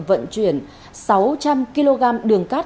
vận chuyển sáu trăm linh kg đường cát